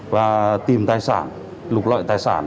và tìm tài sản lục loại tài sản